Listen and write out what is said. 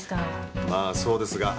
まあそうですが。